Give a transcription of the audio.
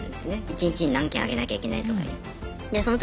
一日に何件上げなきゃいけないとかいう。